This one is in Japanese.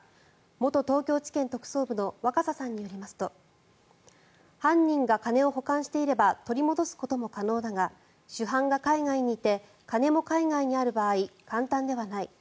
元東京地検特捜部の若狭さんによりますと犯人が金を保管していれば取り戻すことも可能だが主犯が海外にいて金も海外にある場合簡単ではない。